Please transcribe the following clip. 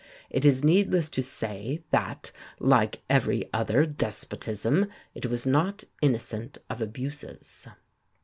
It is needless to say that, like every other despotism, it was not innocent of abuses."